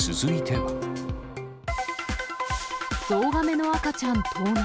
ゾウガメの赤ちゃん盗難。